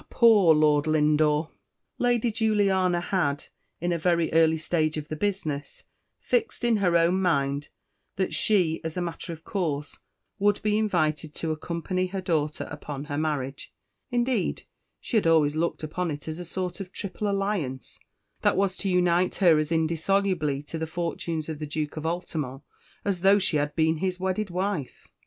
poor Lord Lindore." Lady Juliana had, in a very early stage of the business, fixed in her own mind that she, as a matter of course, would be invited to accompany her daughter upon her marriage; indeed, she had always looked upon it as a sort of triple alliance, that was to unite her as indissolubly to the fortunes of the Duke of Altamont as though she had been his wedded wife.